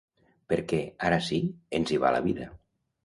Perquè, ara sí, ens hi va la vida.